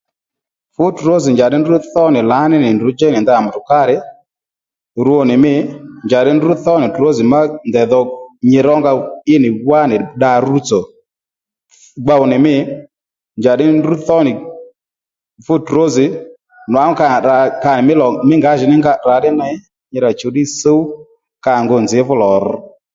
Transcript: Fú trǒzì njàddí ndrǔ thó nì lǎní nì ndrǔ djéy nì ndanà mùtùkárì rwo nì mî njàddí ndrǔ thó nì trǒzì má ndèy dho nyi rónga ínì wánì dda rútsò gbow nì mî njàddí ndrǔ thó nì fú trǒzì nwangú ka nì tdrǎ ka nì mí lò mí ngǎjìní nga tdrǎ ddí ney nyi rà chùw ddí sǔw kanì ngu nzǐ fú lò rř